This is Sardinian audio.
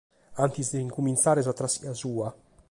Antis de cumintzare sa traschia sua.